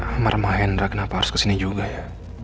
amar mahendra kenapa harus kesini juga ya